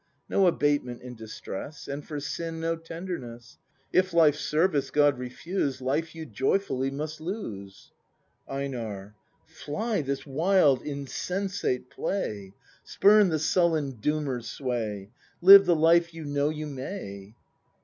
No abatement in distress. And for sin no tenderness, — If life's service God refuse, Life you joyfully must lose, EiNAR. Fly this wild insensate play! Spurn the sullen Doomer's sway; Live the life you know you may!